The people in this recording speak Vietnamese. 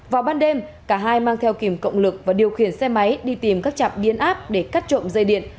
vào ban đêm cả hai mang theo kìm cộng lực và điều khiển xe máy đi tìm các trạm biến áp để cắt trộm dây điện